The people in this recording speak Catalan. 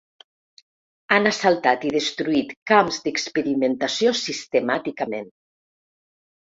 Han assaltat i destruït camps d’experimentació sistemàticament.